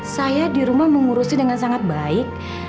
saya di rumah mengurusi dengan sangat baik